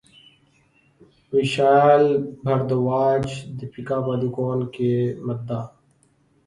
ویشال بھردواج دپیکا پڈوکون کے مداح